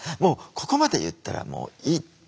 「ここまで言ったらもういい」っていう。